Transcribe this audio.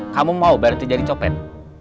kamu mau berhenti jadi copet